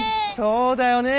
そうだよね。